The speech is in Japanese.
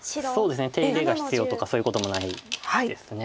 手入れが必要とかそういうこともないです。